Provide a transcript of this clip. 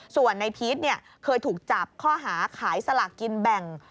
ส่วนในพีชเคยถูกจับข้อหาขายสลากกินแบ่ง